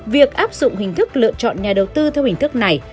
việc áp dụng hình thức lựa chọn nhà đầu tư theo hình thức này